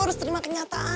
lu harus terima kenyataan